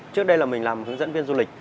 trước đây là mình làm hướng dẫn viên du lịch